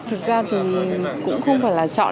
thực ra thì cũng không phải là chọn đâu